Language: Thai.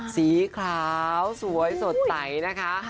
สีขาวสวยสดใสนะคะ